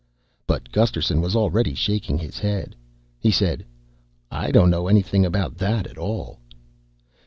But Gusterson was already shaking his head. He said, "I don't know anything about that at all."